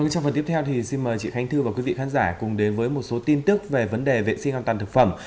trong phần tiếp theo thì xin mời chị khánh thư và quý vị khán giả cùng đến với một số tin tức về vấn đề vệ sinh an toàn thực phẩm